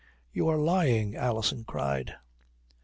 "You are lying," Alison cried.